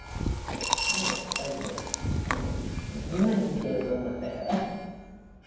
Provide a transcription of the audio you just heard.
あれやっぱりね、もう、今に見てろと思ったから。